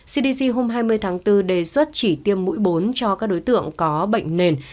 cdc hôm hai mươi tháng bốn đề xuất chỉ tiêm mũi bốn cho các đối tượng có bệnh nền